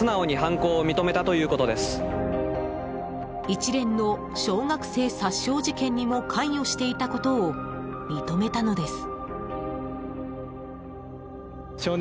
一連の小学生殺傷事件にも関与していたことを認めたのです。